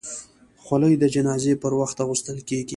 خولۍ د جنازې پر وخت اغوستل کېږي.